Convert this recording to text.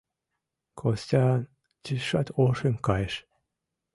— Костян тӱсшат ошем кайыш.